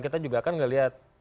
kita juga kan nggak lihat